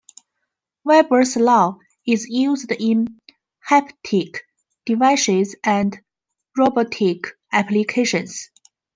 Weber's law is used in haptic devices and robotic applications.